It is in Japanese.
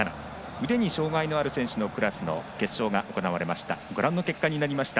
腕に障がいがある選手の決勝が行われました。